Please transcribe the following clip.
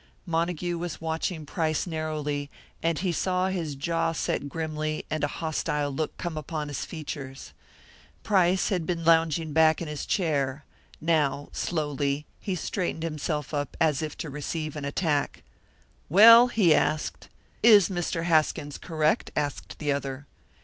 Montague was watching Price narrowly, and he saw his jaw set grimly, and a hostile look come upon his features. Price had been lounging back in his chair; now, slowly, he straightened himself up, as if to receive an attack. "Well?" he asked. "Is Mr. Haskins correct?" asked the other.